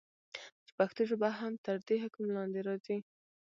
چې پښتو ژبه هم تر دي حکم لاندي راځي.